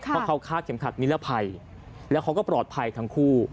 เพราะเขาฆ่าเข็มขัดนิรภัยแล้วเขาก็ปลอดภัยทั้งคู่